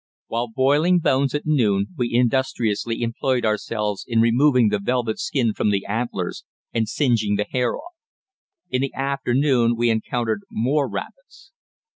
While boiling bones at noon, we industriously employed ourselves in removing the velvet skin from the antlers and singeing the hair off. In the afternoon we encountered more rapids.